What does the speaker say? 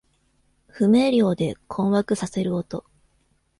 不明瞭で困惑させる音。